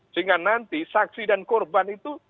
sehingga nanti saksi dan korban itu